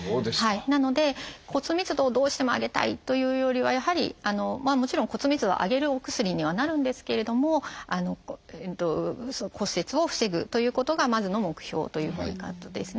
なので骨密度をどうしても上げたいというよりはやはりもちろん骨密度を上げるお薬にはなるんですけれども骨折を防ぐということがまずの目標ということになるんですね。